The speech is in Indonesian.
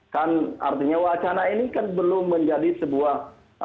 kan artinya wacana ini kan belum menjadi sebuah